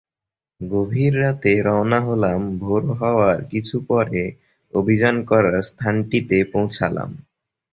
গভীর রাতে রওনা হলাম, ভোর হওয়ার কিছু পরে অভিযান করার স্থানটিতে পৌঁছালাম।